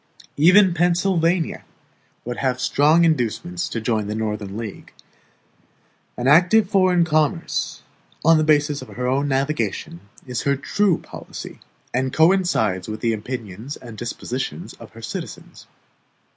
Even Pennsylvania would have strong inducements to join the Northern league. An active foreign commerce, on the basis of her own navigation, is her true policy, and coincides with the opinions and dispositions of her citizens.